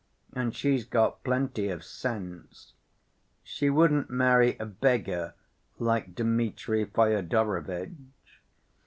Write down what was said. And she's got plenty of sense. She wouldn't marry a beggar like Dmitri Fyodorovitch.